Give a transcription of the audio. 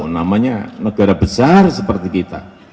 namanya negara besar seperti kita